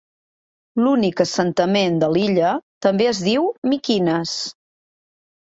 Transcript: L'únic assentament de l'illa també es diu Mykines.